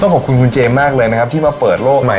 ต้องขอบคุณคุณเจเลยมากเลยนะครับที่มาเปิดโลกหมายให้ผม